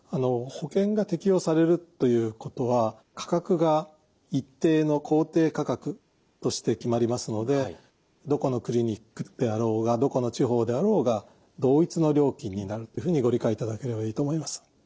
保険が適用されるということは価格が一定の公定価格として決まりますのでどこのクリニックであろうがどこの地方であろうが同一の料金になるというふうにご理解いただければいいと思います。